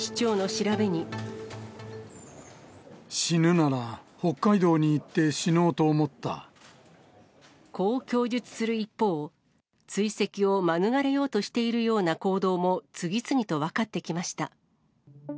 死ぬなら北海道に行って死のこう供述する一方、追跡を免れようとしているような行動も次々と分かってきました。